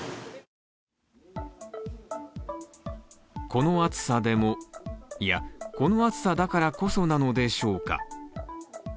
この暑さでもいや、この暑さだからこそなのでしょうか。